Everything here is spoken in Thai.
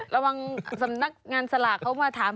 สำนักงานสลากเขามาถาม